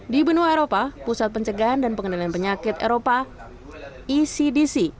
di benua eropa pusat pencegahan dan pengendalian penyakit eropa ecdc